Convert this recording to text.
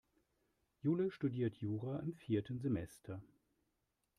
Jule studiert Jura im vierten Semester.